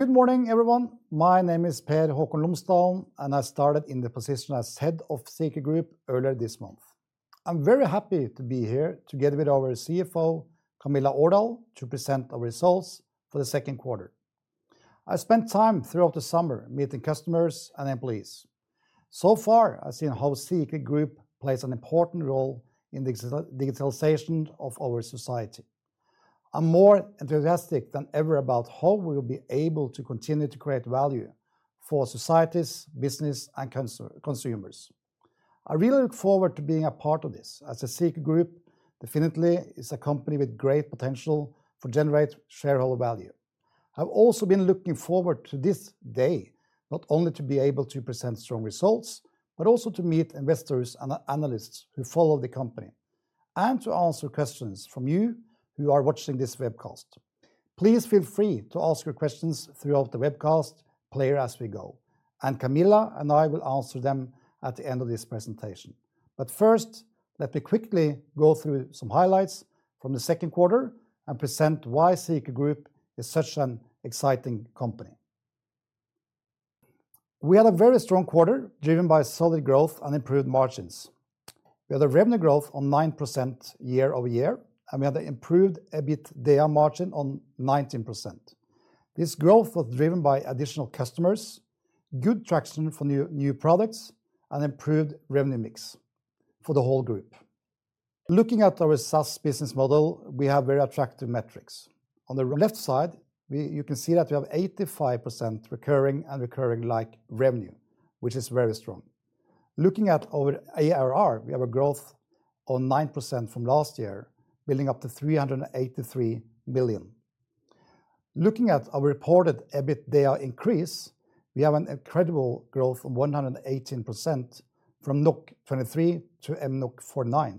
Good morning, everyone. My name is Per Haakon Lomsdalen, and I started in the head of Sikri Group earlier this month. i'm very happy to be here together with our CFO, Camilla Aardal, to present our results for the Q2. I spent time throughout the summer meeting customers and employees. So far i've seen Sikri Group plays an important role in the digitalization of our society. I'm more enthusiastic than ever about how we will be able to continue to create value for societies, business, and consumers. I really look forward to being a part of this as Sikri Group definitely is a company with great potential for generate shareholder value. I've also been looking forward to this day, not only to be able to present strong results, but also to meet investors and analysts who follow the company, and to answer questions from you who are watching this webcast. Please feel free to ask your questions throughout the webcast player as we go, and Camilla and I will answer them at the end of this presentation. But first, let me quickly go through some highlights from the from the Q2 and present why Sikri Group is such an exciting company. We had a very strong quarter, driven by solid growth and improved margins. We had a revenue growth of 9% YoY, and we had an improved EBITDA margin of 19%. This growth was driven by additional customers, good traction for new products, and improved revenue mix for the whole group. Looking at our SaaS business model, we have very attractive metrics. On the left side, you can see that we have 85% recurring and recurring-like revenue, which is very strong. Looking at our ARR, we have a growth of 9% from last year, building up to 383 million. Looking at our reported EBITDA increase, we have an incredible growth of 118% from 23 to 49.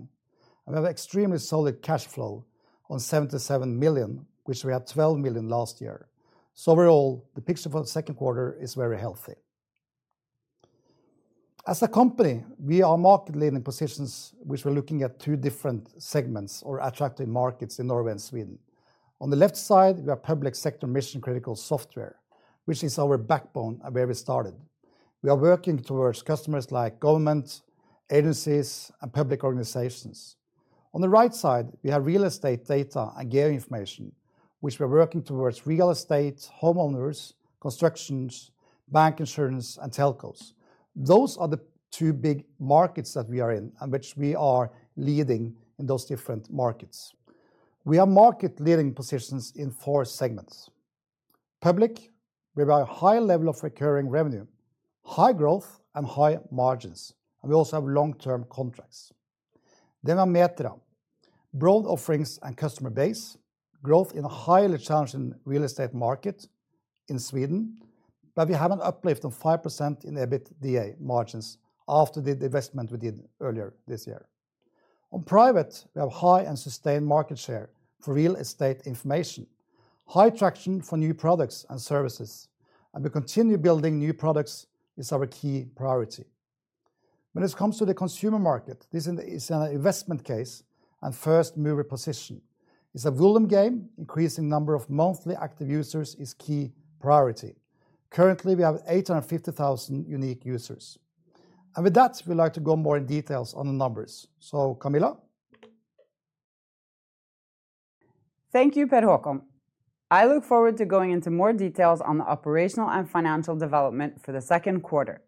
And we have extremely solid cash flow of 77 million, which we had 12 million last year. So overall, the picture for the Q2 is very healthy. As a company, we are market-leading positions, which we're looking at two different segments or attractive markets in Norway and Sweden. On the left side, we have public sector mission-critical software, which is our backbone and where we started. We are working towards customers like government, agencies, and public organizations. On the right side, we have real estate data and geo information, which we are working towards real estate, homeowners, constructions, bank insurance, and telcos. Those are the two big markets that we are in and which we are leading in those different markets. We are market-leading positions in four segments. Public, we have a high level of recurring revenue, high growth, and high margins, and we also have long-term contracts. Then we have Metria, broad offerings and customer base, growth in a highly challenging real estate market in Sweden, but we have an uplift of 5% in EBITDA margins after the investment we did earlier this year. On private, we have high and sustained market share for real estate information, high traction for new products and services, and we continue building new products is our key priority. When it comes to the consumer market, this is an investment case and first-mover position. It's a volume game. Increasing number of monthly active users is key priority. Currently, we have 850,000 unique users. And with that, we'd like to go more in details on the numbers. So, Camilla? Thank you, Per Haakon. I look forward to going into more details on the operational and financial development for the Q2,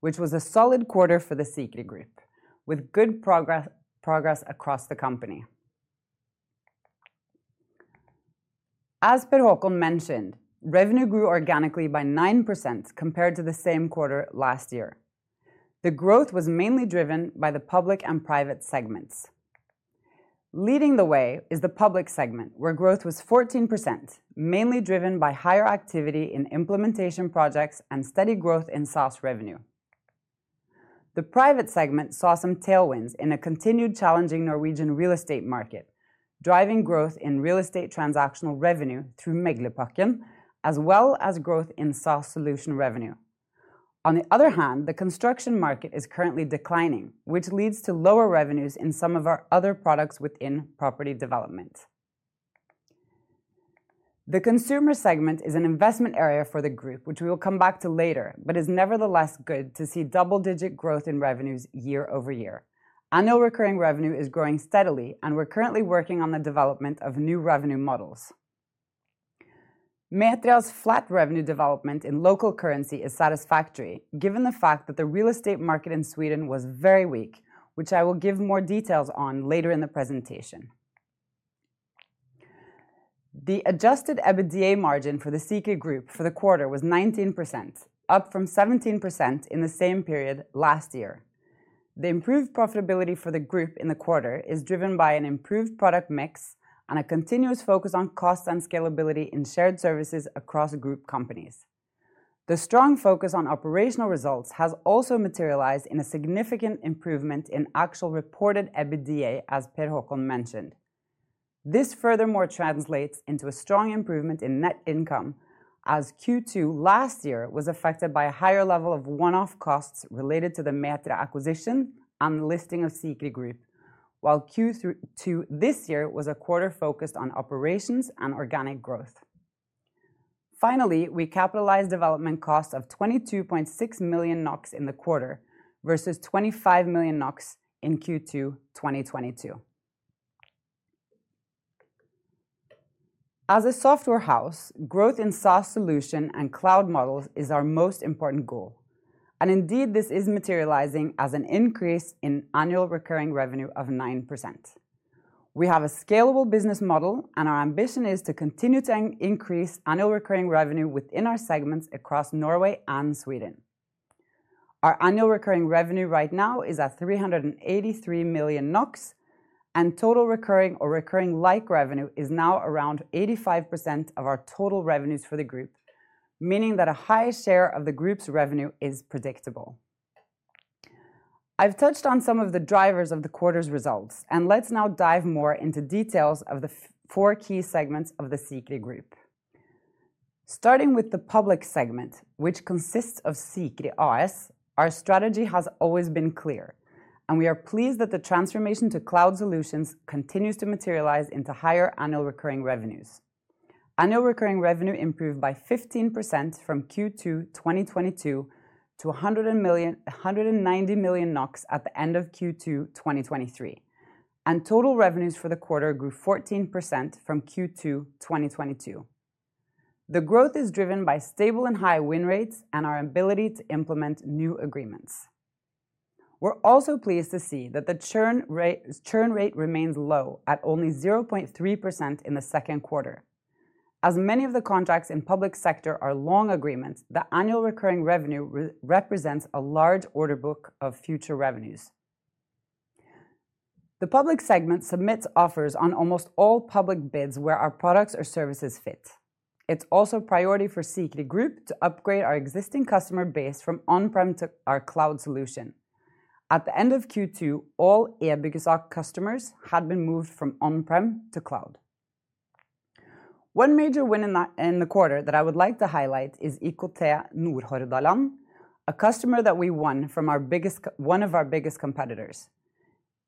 which was a solid quarter for Sikri Group, with good progress across the company. As Per Haakon mentioned, revenue grew organically by 9% compared to the same quarter last year. The growth was mainly driven by the public and private segments. Leading the way is the public segment, where growth was 14%, mainly driven by higher activity in implementation projects and steady growth in SaaS revenue. The private segment saw some tailwinds in a continued challenging Norwegian real estate market, driving growth in real estate transactional revenue through Meglerpakken, as well as growth in SaaS solution revenue. On the other hand, the construction market is currently declining, which leads to lower revenues in some of our other products within property development. The consumer segment is an investment area for the group, which we will come back to later, but is nevertheless good to see double-digit growth in revenues YoY. Annual recurring revenue is growing steadily, and we're currently working on the development of new revenue models. Metria's flat revenue development in local currency is satisfactory, given the fact that the real estate market in Sweden was very weak, which I will give more details on later in the presentation. The adjusted EBITDA margin for the Sikri Group for the quarter was 19%, up from 17% in the same period last year. The improved profitability for the group in the quarter is driven by an improved product mix and a continuous focus on cost and scalability in shared services across group companies. The strong focus on operational results has also materialized in a significant improvement in actual reported EBITDA, as Per Haakon mentioned. This furthermore translates into a strong improvement in net income, as Q2 last year was affected by a higher level of one-off costs related to the Metria acquisition and listing of Sikri Group, while Q2 this year was a quarter focused on operations and organic growth. Finally, we capitalized development costs of 22.6 million NOK in the quarter, versus 25 million NOK in Q2, 2022. As a software house, growth in SaaS solution and cloud models is our most important goal, and indeed, this is materializing as an increase in annual recurring revenue of 9%. We have a scalable business model, and our ambition is to continue to increase annual recurring revenue within our segments across Norway and Sweden. Our annual recurring revenue right now is at 383 million NOK, and total recurring or recurring-like revenue is now around 85% of our total revenues for the group, meaning that a high share of the group's revenue is predictable. I've touched on some of the drivers of the quarter's results, and let's now dive more into details of the four key segments of the Sikri Group. Starting with the public segment, which consists of Sikri AS, our strategy has always been clear, and we are pleased that the transformation to cloud solutions continues to materialize into higher annual recurring revenues. Annual recurring revenue improved by 15% from Q2 2022 to 190 million NOK at the end of Q2 2023, and total revenues for the quarter grew 14% from Q2 2022. The growth is driven by stable and high win rates and our ability to implement new agreements. We're also pleased to see that the churn rate remains low at only 0.3% in the Q2. As many of the contracts in public sector are long agreements, the annual recurring revenue represents a large order book of future revenues. The public segment submits offers on almost all public bids where our products or services fit. It's also priority for Sikri Group to upgrade our existing customer base from on-prem to our cloud solution. At the end of Q2, all eByggesak customers had been moved from on-prem to cloud. One major win in the quarter that I would like to highlight is IKT Nordhordland, a customer that we won from one of our biggest competitors.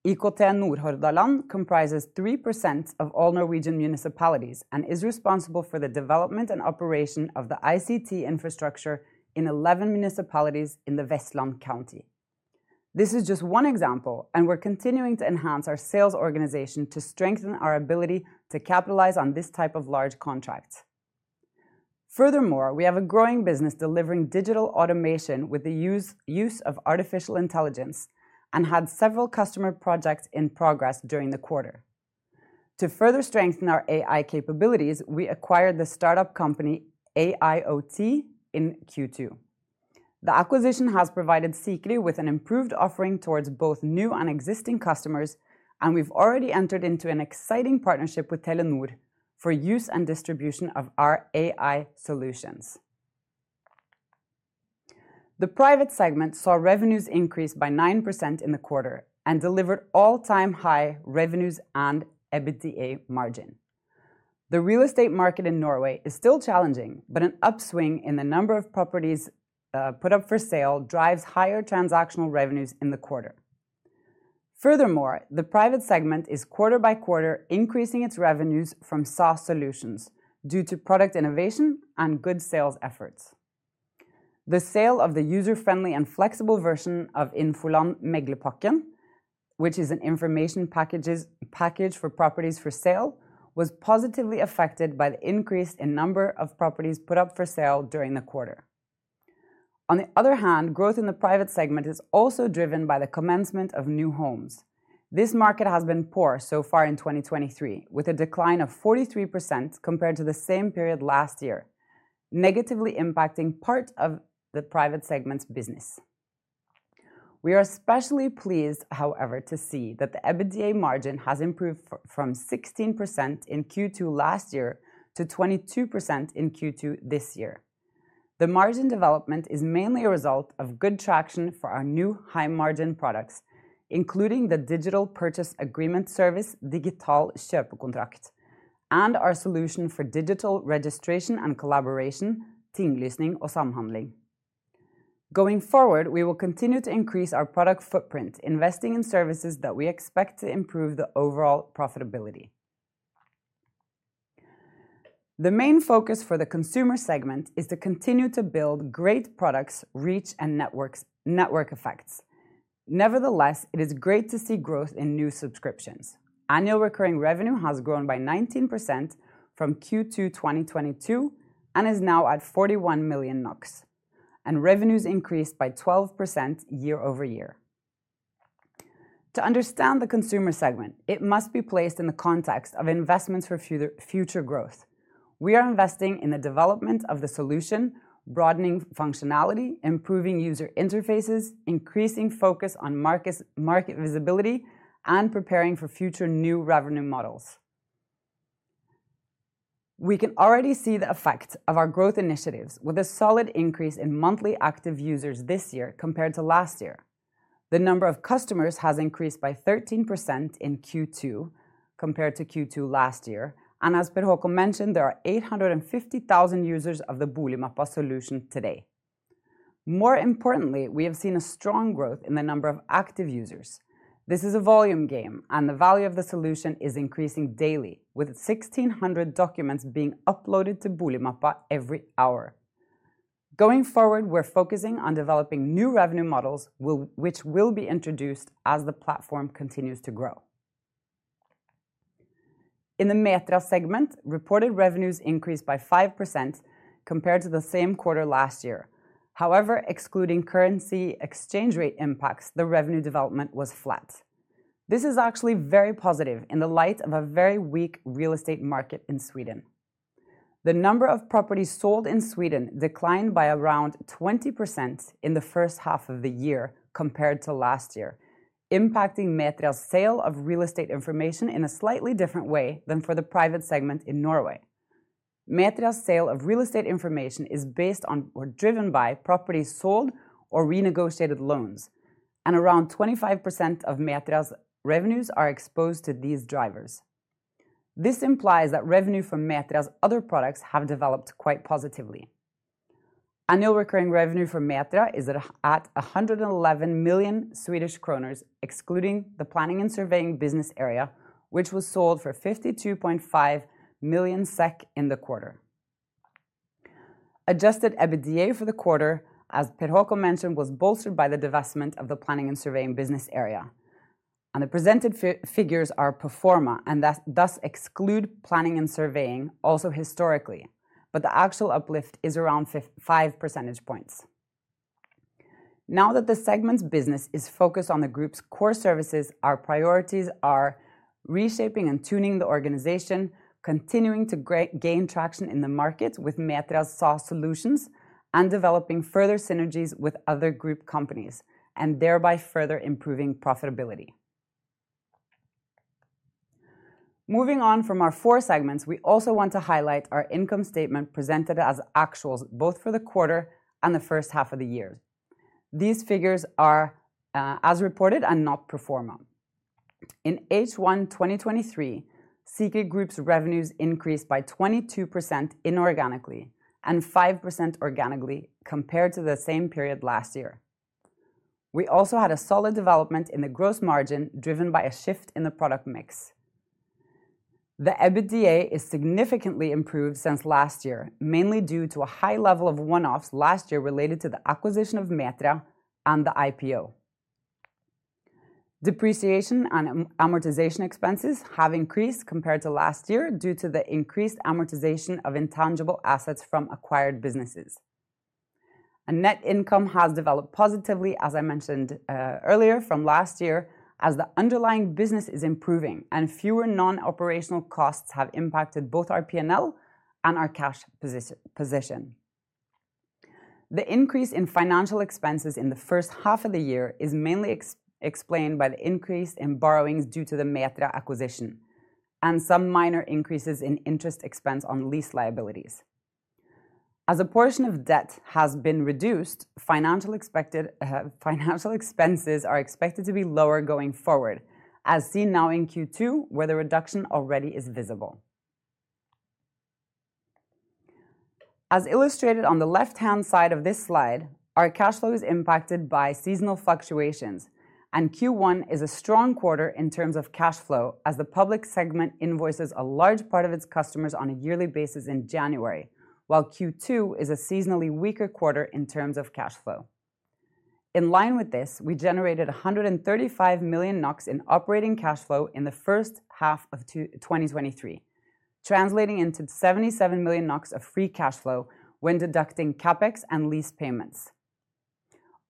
IKT Nordhordland comprises 3% of all Norwegian municipalities and is responsible for the development and operation of the ICT infrastructure in 11 municipalities in the Vestland County. This is just one example, and we're continuing to enhance our sales organization to strengthen our ability to capitalize on this type of large contracts. Furthermore, we have a growing business delivering digital automation with the use of artificial intelligence and had several customer projects in progress during the quarter. To further strengthen our AI capabilities, we acquired the startup company Whatif in Q2. The acquisition has provided Sikri with an improved offering towards both new and existing customers, and we've already entered into an exciting partnership with Telenor for use and distribution of our AI solutions. The private segment saw revenues increase by 9% in the quarter and delivered all-time high revenues and EBITDA margin. The real estate market in Norway is still challenging, but an upswing in the number of properties put up for sale drives higher transactional revenues in the quarter. Furthermore, the private segment is quarter by quarter, increasing its revenues from SaaS solutions due to product innovation and good sales efforts. The sale of the user-friendly and flexible version of Infoland Meglerpakken, which is an information packages, package for properties for sale, was positively affected by the increase in number of properties put up for sale during the quarter. On the other hand, growth in the private segment is also driven by the commencement of new homes. This market has been poor so far in 2023, with a decline of 43% compared to the same period last year, negatively impacting part of the private segment's business. We are especially pleased, however, to see that the EBITDA margin has improved from 16% in Q2 last year to 22% in Q2 this year. The margin development is mainly a result of good traction for our new high-margin products, including the digital purchase agreement service, Digital Kjøpekontrakt, and our solution for digital registration and collaboration, Tinglysning og Samhandling. Going forward, we will continue to increase our product footprint, investing in services that we expect to improve the overall profitability. The main focus for the consumer segment is to continue to build great products, reach and networks, network effects. Nevertheless, it is great to see growth in new subscriptions. Annual recurring revenue has grown by 19% from Q2 2022, and is now at 41 million NOK, and revenues increased by 12% YoY. To understand the consumer segment, it must be placed in the context of investments for future growth. We are investing in the development of the solution, broadening functionality, improving user interfaces, increasing focus on market visibility, and preparing for future new revenue models. We can already see the effect of our growth initiatives with a solid increase in monthly active users this year compared to last year. The number of customers has increased by 13% in Q2 compared to Q2 last year, and as Per Haakon mentioned, there are 850,000 users of the Boligmappa solution today. More importantly, we have seen a strong growth in the number of active users. This is a volume game, and the value of the solution is increasing daily, with 1,600 documents being uploaded to Boligmappa every hour. Going forward, we're focusing on developing new revenue models, which will be introduced as the platform continues to grow. In the Metria segment, reported revenues increased by 5% compared to the same quarter last year. However, excluding currency exchange rate impacts, the revenue development was flat. This is actually very positive in the light of a very weak real estate market in Sweden. The number of properties sold in Sweden declined by around 20% in the first half of the year compared to last year, impacting Metria's sale of real estate information in a slightly different way than for the private segment in Norway. Metria's sale of real estate information is based on or driven by properties sold or renegotiated loans, and around 25% of Metria's revenues are exposed to these drivers. This implies that revenue from Metria's other products have developed quite positively. Annual recurring revenue for Metria is at 111 million Swedish kronor, excluding the Planning and Surveying business area, which was sold for 52.5 million SEK in the quarter. Adjusted EBITDA for the quarter, as Per Haakon mentioned, was bolstered by the divestment of the Planning and Surveying business area, and the presented figures are pro forma, and thus exclude Planning and Surveying, also historically, but the actual uplift is around five percentage points. Now that the segment's business is focused on the group's core services, our priorities are reshaping and tuning the organization, continuing to gain traction in the market with Metria's SaaS solutions, and developing further synergies with other group companies, and thereby further improving profitability. Moving on from our four segments, we also want to highlight our income statement presented as actuals, both for the quarter and the first half of the year. These figures are as reported and not pro forma. In H1, 2023 Sikri Group's revenues increased by 22% inorganically and 5% organically compared to the same period last year. We also had a solid development in the gross margin, driven by a shift in the product mix. The EBITDA is significantly improved since last year, mainly due to a high level of one-offs last year related to the acquisition of Metria and the IPO. Depreciation and amortization expenses have increased compared to last year due to the increased amortization of intangible assets from acquired businesses. A net income has developed positively, as I mentioned earlier from last year, as the underlying business is improving and fewer non-operational costs have impacted both our P&L and our cash position. The increase in financial expenses in the first half of the year is mainly explained by the increase in borrowings due to the Metria acquisition and some minor increases in interest expense on lease liabilities. As a portion of debt has been reduced, financial expenses are expected to be lower going forward, as seen now in Q2, where the reduction already is visible. As illustrated on the left-hand side of this slide, our cash flow is impacted by seasonal fluctuations, and Q1 is a strong quarter in terms of cash flow, as the public segment invoices a large part of its customers on a yearly basis in January, while Q2 is a seasonally weaker quarter in terms of cash flow. In line with this, we generated 135 million NOK in operating cash flow in the first half of 2023, translating into 77 million NOK of free cash flow when deducting CapEx and lease payments.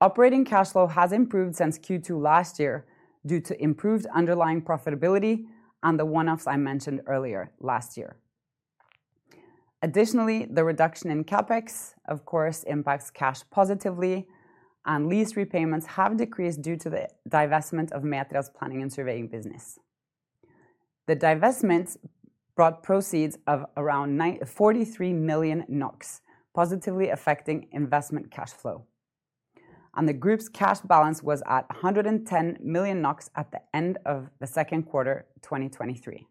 Operating cash flow has improved since Q2 last year due to improved underlying profitability and the one-offs I mentioned earlier last year. Additionally, the reduction in CapEx, of course, impacts cash positively, and lease repayments have decreased due to the divestment of Metria's Planning and Surveying business. The divestment brought proceeds of around 43 million NOK, positively affecting investment cash flow, and the group's cash balance was at 110 million NOK at the end of the Q2 2023.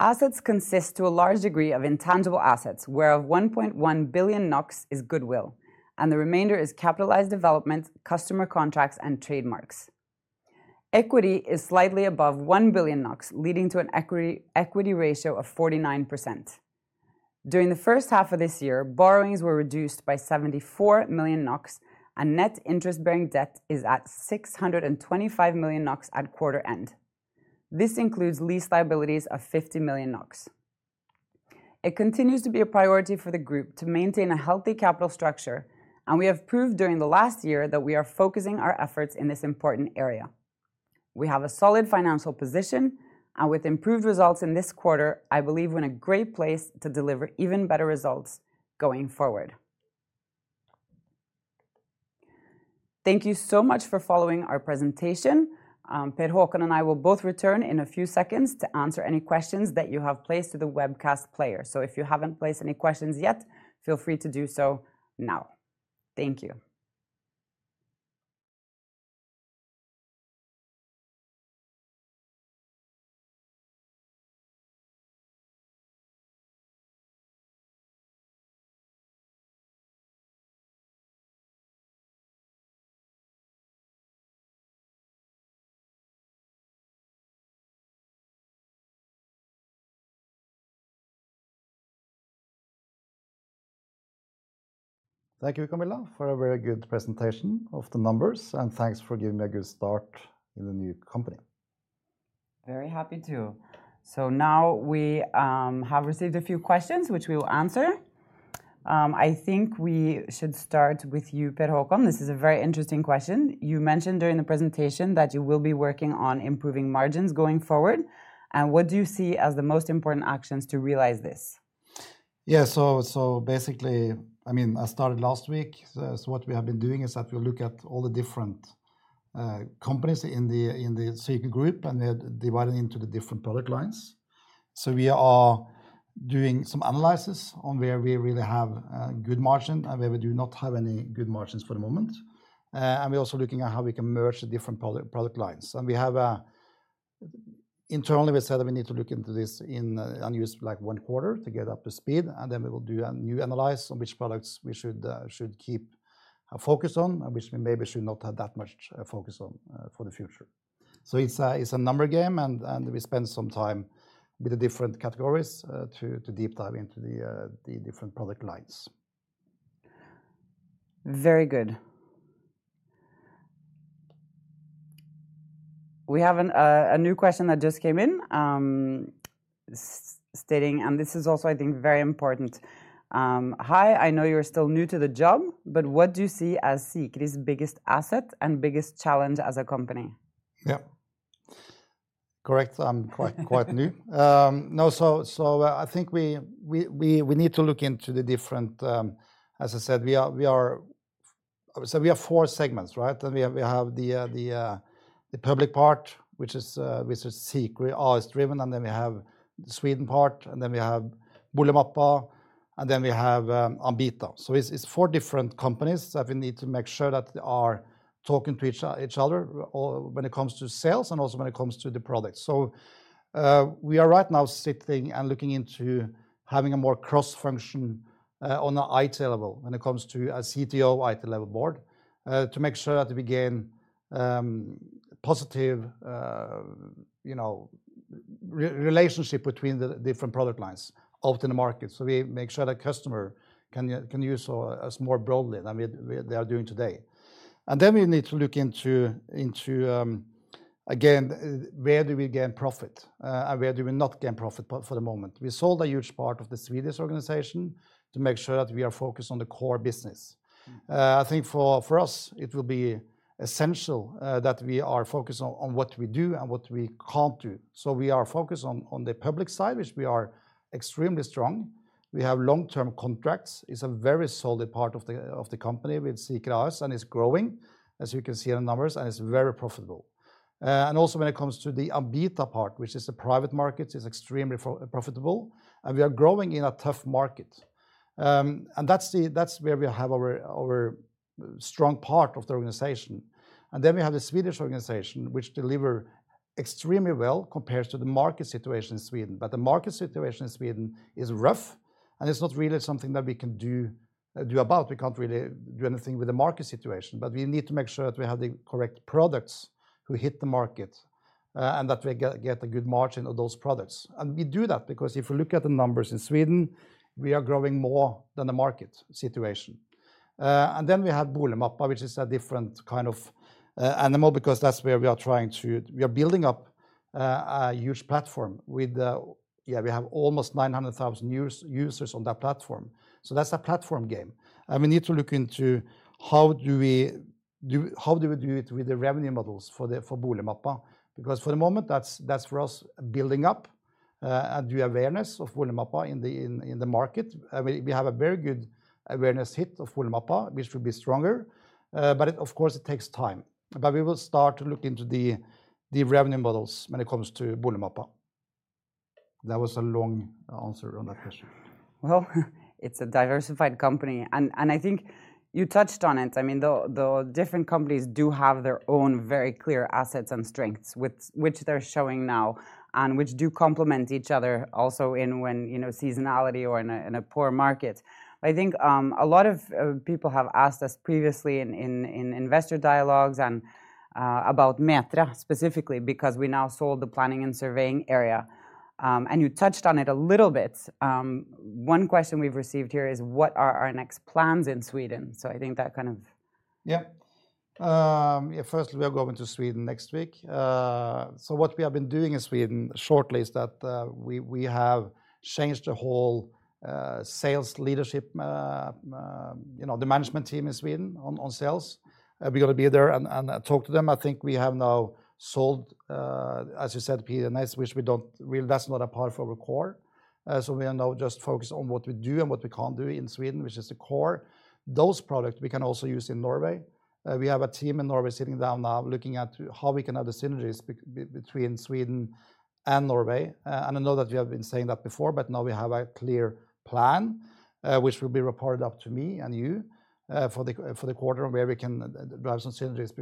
Assets consist to a large degree of intangible assets, whereof 1.1 billion NOK is goodwill, and the remainder is capitalized development, customer contracts, and trademarks. Equity is slightly above 1 billion NOK, leading to an equity ratio of 49%. During the first half of this year, borrowings were reduced by 74 million NOK, and net interest-bearing debt is at 625 million NOK at quarter end. This includes lease liabilities of 50 million NOK. It continues to be a priority for the group to maintain a healthy capital structure, and we have proved during the last year that we are focusing our efforts in this important area. We have a solid financial position, and with improved results in this quarter, I believe we're in a great place to deliver even better results going forward. Thank you so much for following our presentation. Per Haakon and I will both return in a few seconds to answer any questions that you have placed to the webcast player. So if you haven't placed any questions yet, feel free to do so now. Thank you. Thank you, Camilla, for a very good presentation of the numbers, and thanks for giving me a good start in the new company. Very happy to. Now we have received a few questions, which we will answer. I think we should start with you, Per Haakon. This is a very interesting question. You mentioned during the presentation that you will be working on improving margins going forward, and what do you see as the most important actions to realize this? Yeah, so basically, I mean, I started last week, so what we have been doing is that we look at all the different companies in the Sikri Group, and they're divided into the different product lines. So we are doing some analysis on where we really have good margin and where we do not have any good margins for the moment. And we're also looking at how we can merge the different product lines. Internally, we said that we need to look into this and use, like, one quarter to get up to speed, and then we will do a new analysis on which products we should keep a focus on, and which we maybe should not have that much focus on for the future. So it's a number game, and we spend some time with the different categories to deep dive into the different product lines. Very good. We have a new question that just came in, stating, and this is also, I think, very important. "Hi, I know you're still new to the job, but what do you see as Sikri's biggest asset and biggest challenge as a company? Yeah. Correct, I'm quite new. No, so I think we need to look into the different. As I said, we are, so we have four segments, right? And we have the public part, which is Sikri driven, and then we have the Sweden part, and then we have Boligmappa, and then we have Ambita. So it's four different companies that we need to make sure that they are talking to each other when it comes to sales, and also when it comes to the products. So, we are right now sitting and looking into having a more cross-function on the IT level when it comes to a CTO IT level board to make sure that we gain positive, you know, relationship between the different product lines out in the market. So we make sure the customer can use us more broadly than they are doing today. And then we need to look into again where do we gain profit and where do we not gain profit for the moment. We sold a huge part of the Swedish organization to make sure that we are focused on the core business. I think for us it will be essential that we are focused on what we do and what we can't do. So we are focused on the public side, which we are extremely strong. We have long-term contracts. It's a very solid part of the company with Sikri's, and it's growing, as you can see in the numbers, and it's very profitable. And also when it comes to the Ambita part, which is a private market, is extremely profitable, and we are growing in a tough market. And that's where we have our strong part of the organization. And then we have the Swedish organization, which deliver extremely well compared to the market situation in Sweden. But the market situation in Sweden is rough, and it's not really something that we can do about. We can't really do anything with the market situation, but we need to make sure that we have the correct products who hit the market, and that we get a good margin of those products. And we do that, because if you look at the numbers in Sweden, we are growing more than the market situation. And then we have Boligmappa, which is a different kind of animal, because that's where we are trying to. We are building up a huge platform with, yeah, we have almost 900,000 users on that platform. So that's a platform game, and we need to look into how do we do, how do we do it with the revenue models for the, for Boligmappa? Because for the moment, that's for us, building up and the awareness of Boligmappa in the market. We have a very good awareness hit of Boligmappa, which will be stronger, but of course, it takes time. But we will start to look into the revenue models when it comes to Boligmappa. That was a long answer on that question. Well, it's a diversified company, and I think you touched on it. I mean, the different companies do have their own very clear assets and strengths, which they're showing now, and which do complement each other also in when, you know, seasonality or in a poor market. I think a lot of people have asked us previously in investor dialogues and about Metria specifically, because we now sold the Planning and Surveying area. And you touched on it a little bit. One question we've received here is: What are our next plans in Sweden? So I think that kind of- Yeah. Yeah, firstly, we are going to Sweden next week. So what we have been doing in Sweden shortly is that, we have changed the whole sales leadership, you know, the management team in Sweden on sales. We're gonna be there and talk to them. I think we have now sold, as you said, P&S, which we don't really. That's not a part of our core. So we are now just focused on what we do and what we can't do in Sweden, which is the core. Those products we can also use in Norway. We have a team in Norway sitting down now, looking at how we can have the synergies between Sweden and Norway. And I know that we have been saying that before, but now we have a clear plan, which will be reported up to me and you, for the quarter, and where we can drive some synergies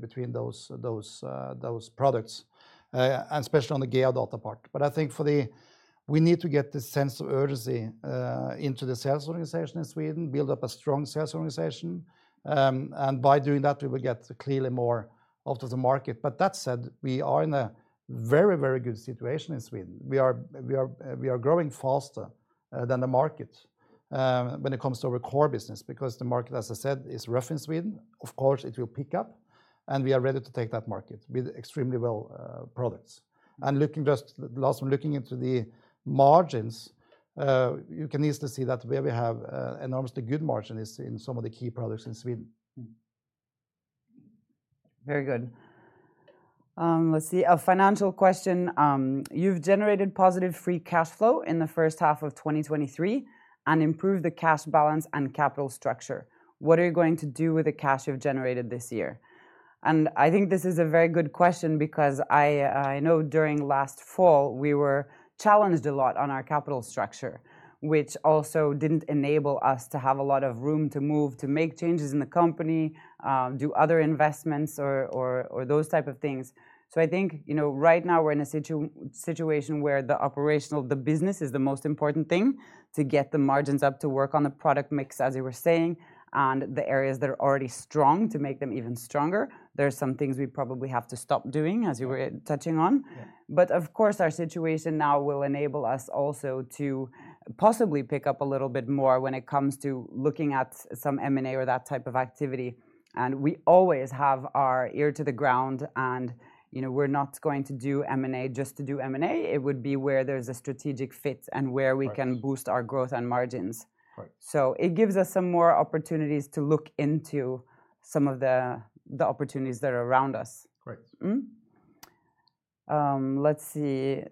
between those products, and especially on the geodata part. But I think we need to get the sense of urgency into the sales organization in Sweden, build up a strong sales organization. And by doing that, we will get clearly more out of the market. But that said, we are in a very, very good situation in Sweden. We are growing faster than the market when it comes to our core business, because the market, as I said, is rough in Sweden. Of course, it will pick up, and we are ready to take that market with extremely well products. And looking into the margins, you can easily see that where we have enormously good margin is in some of the key products in Sweden. Very good. Let's see, a financial question. "You've generated positive free cash flow in the first half of 2023, and improved the cash balance and capital structure. What are you going to do with the cash you've generated this year?" And I think this is a very good question, because I, I know during last fall, we were challenged a lot on our capital structure, which also didn't enable us to have a lot of room to move, to make changes in the company, do other investments or, or, or those type of things. So I think, you know, right now we're in a situation where the operational, the business is the most important thing, to get the margins up, to work on the product mix, as you were saying, and the areas that are already strong, to make them even stronger. There are some things we probably have to stop doing, as you were touching on. Yeah. But of course, our situation now will enable us also to possibly pick up a little bit more when it comes to looking at some M&A or that type of activity, and we always have our ear to the ground. And, you know, we're not going to do M&A just to do M&A. It would be where there's a strategic fit- Right -and where we can boost our growth and margins. Right. So it gives us some more opportunities to look into some of the opportunities that are around us. Great. Mm-hmm. Let's see.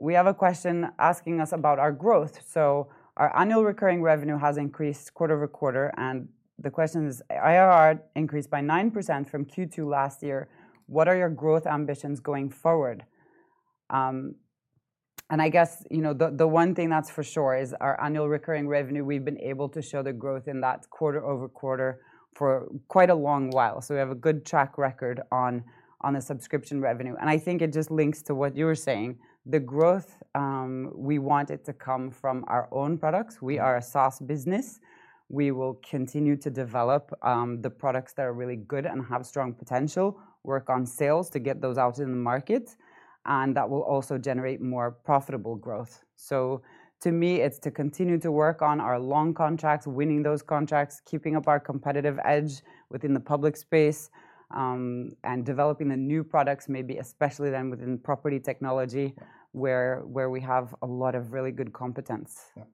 We have a question asking us about our growth. So our annual recurring revenue has increased QoQ, and the question is, "IRR increased by 9% from Q2 last year. What are your growth ambitions going forward?" And I guess, you know, the one thing that's for sure is our annual recurring revenue, we've been able to show the growth in that QoQ for quite a long while, so we have a good track record on the subscription revenue. And I think it just links to what you were saying. The growth, we want it to come from our own products. We are a SaaS business. We will continue to develop the products that are really good and have strong potential, work on sales to get those out in the market, and that will also generate more profitable growth. So to me, it's to continue to work on our long contracts, winning those contracts, keeping up our competitive edge within the public space, and developing the new products, maybe especially then within property technology, where we have a lot of really good competence. Yeah.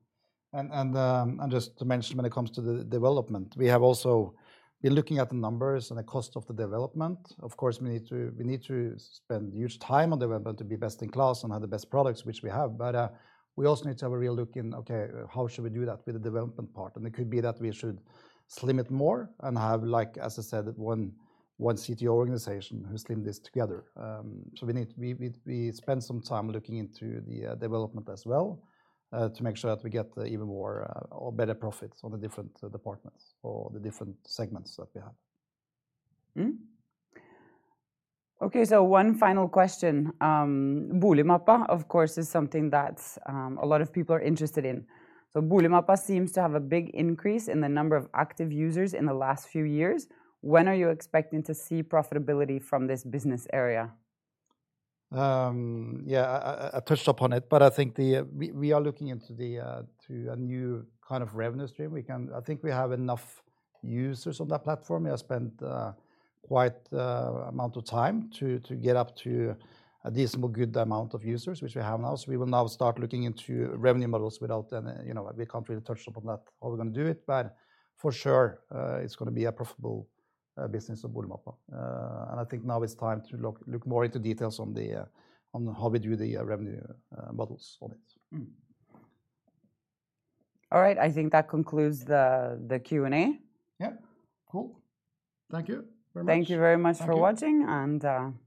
And just to mention, when it comes to the development, we have also been looking at the numbers and the cost of the development. Of course, we need to spend huge time on development to be best in class and have the best products, which we have. But we also need to have a real look in, okay, how should we do that with the development part? And it could be that we should slim it more and have, like, as I said, one CTO organization who slim this together. So we need... We spend some time looking into the development as well to make sure that we get even more or better profits on the different departments or the different segments that we have. Mm-hmm. Okay, one final question. Boligmappa, of course, is something that a lot of people are interested in. Boligmappa seems to have a big increase in the number of active users in the last few years. When are you expecting to see profitability from this business area? Yeah, I touched upon it, but I think we are looking into a new kind of revenue stream. I think we have enough users on that platform. We have spent quite an amount of time to get up to a decent, good amount of users, which we have now. So we will now start looking into revenue models without any... You know, we can't really touch upon that, how we're gonna do it, but for sure, it's gonna be a profitable business of Boligmappa. And I think now it's time to look more into details on how we do the revenue models on it. All right, I think that concludes the Q&A. Yeah. Cool. Thank you very much. Thank you very much for watching- Thank you -and, see you!